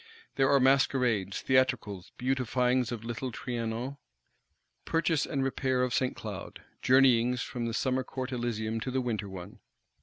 There are masquerades, theatricals; beautifyings of little Trianon, purchase and repair of St. Cloud; journeyings from the summer Court Elysium to the winter one.